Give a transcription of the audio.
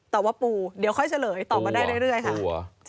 แต่ว่าปูเดี๋ยวค่อยเฉลยตอบมาได้เรื่อยค่ะ